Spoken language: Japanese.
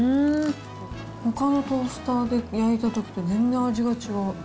ほかのトースターで焼いたときと、全然味が違う。